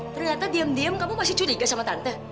ternyata diem diem kamu masih curiga sama tante